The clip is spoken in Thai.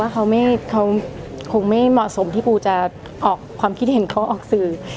เขาคงไม่เหมาะสมที่ปูจะออกความคิดเห็นเขาออกสื่อ